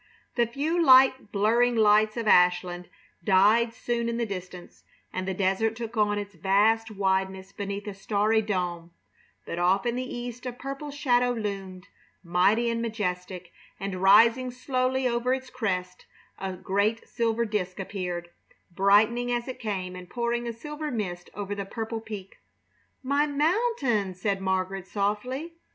The few little blurring lights of Ashland died soon in the distance, and the desert took on its vast wideness beneath a starry dome; but off in the East a purple shadow loomed, mighty and majestic, and rising slowly over its crest a great silver disk appeared, brightening as it came and pouring a silver mist over the purple peak. "My mountain!" said Margaret, softly.